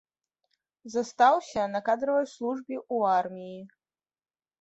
Застаўся на кадравай службе ў арміі.